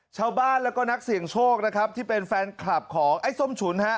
ชาวบ้านแล้วก็นักเสี่ยงโชคนะครับที่เป็นแฟนคลับของไอ้ส้มฉุนฮะ